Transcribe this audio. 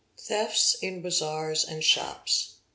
Thefts in Bazaars and Shops.